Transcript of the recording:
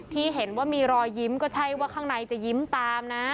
ที่เห็นว่ามีรอยยิ้มก็ใช่ว่าข้างในจะยิ้มตามนะ